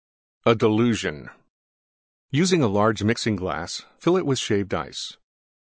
DELUSION Use a large Mixing glass; fill with Shaved Ice.